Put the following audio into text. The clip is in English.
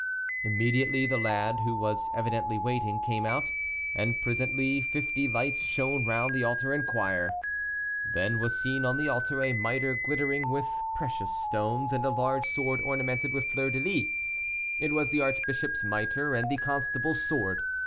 Immediately, the lad, who was evidently waiting, came out, and presently fifty lights shone round the altar and choir. Then was seen on the altar a miter glittering with precious stones, and a large sword ornamented with fleur de lis. It was the archbishop's miter and the constable's sword.